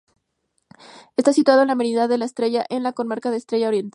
Está situado en la Merindad de Estella, en la Comarca de Estella Oriental.